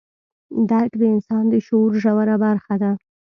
درک د انسان د شعور ژوره برخه ده.